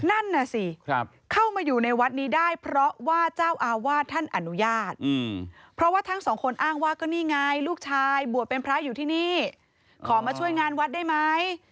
นั่นน่ะสิเข้ามาอยู่ในวัดนี้ได้เพราะว่าเจ้าอาวาสท่านอนุญาตเพราะว่าทั้งสองคนอ้างว่าก็นี่ไงลูกชายบวชเป็นพระอยู่ที่นี่ขอมาช่วยงานวัดได้ไหม